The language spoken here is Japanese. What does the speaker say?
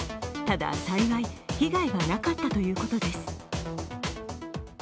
ただ、幸い被害はなかったということです。